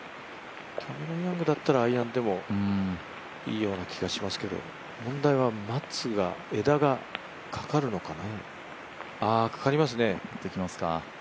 キャメロン・ヤングだったらアイアンでもいいような気がしますけど問題は松が枝がかかるのかですが、ああ、かかりますね。